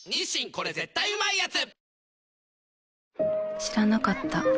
これ絶対うまいやつ」